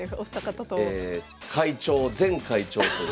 会長前会長という。